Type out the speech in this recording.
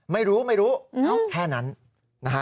ไม่รู้แค่นั้นนะฮะ